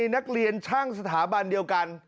นักเรียนช่างสถาบันเดียวกัน